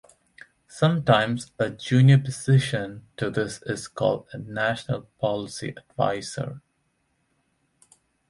Sometimes a junior position to this is called a National Policy Advisor.